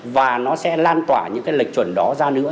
và nó sẽ lan tỏa những cái lệch chuẩn đó ra nữa